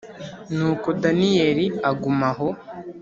Nuko Daniyeli aguma aho